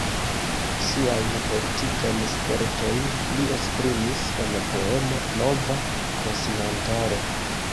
Siajn politikajn spertojn li esprimis en poemo Nova konsilantaro.